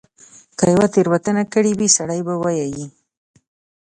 که یوه تیره وتنه کړې وي سړی به ووایي.